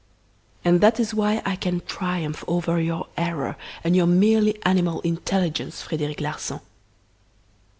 And that is why I can triumph over your error and your merely animal intelligence, Frederic Larsan.